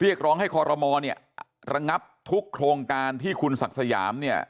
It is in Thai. เรียกร้องให้คอรมอลเนี่ยระงับทุกโครงการที่คุณศักดิ์สยามเนี่ย